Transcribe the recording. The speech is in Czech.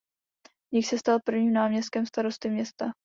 V nich se stal prvním náměstkem starosty města.